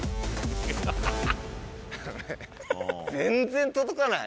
全然届かない。